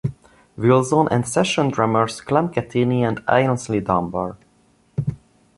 Wilson, and session drummers Clem Cattini and Aynsley Dunbar.